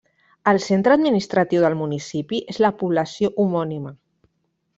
El centre administratiu del municipi és la població homònima.